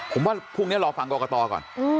ผมว่าพรุ่งนี้รอฟังกรกตก่อน